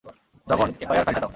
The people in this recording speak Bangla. জগন, এফআইআর ফাইলটা দাও।